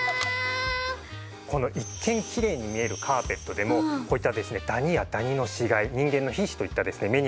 この一見きれいに見えるカーペットでもこういったですねダニやダニの死骸人間の皮脂といったですね